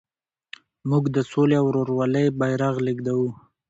موږ د سولې او ورورولۍ بیرغ لېږدوو.